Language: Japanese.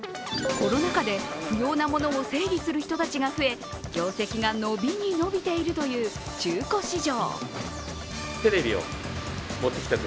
コロナ禍で不要なものを整理する人たちが増え業績が伸びに伸びているという中古市場。